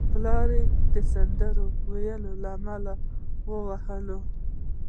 پلار یې د سندرو ویلو له امله وهلی و